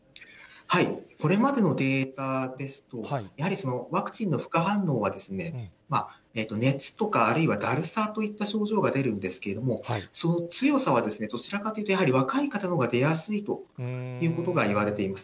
これまでのデータですと、やはりワクチンの副反応は、熱とか、あるいはだるさといった症状が出るんですけれども、その強さはどちらかというと、やはり若い方のほうが出やすいということがいわれています。